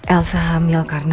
elsa akan berjalan ke kantoran ini